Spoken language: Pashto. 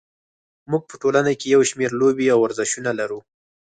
موږ په ټولنه کې یو شمېر لوبې او ورزشونه لرو.